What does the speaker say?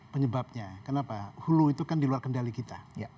penyebabnya kenapa hulu itu kan di luar kendali kita